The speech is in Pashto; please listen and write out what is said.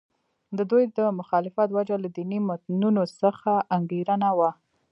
د دوی د مخالفت وجه له دیني متنونو څخه انګېرنه وه.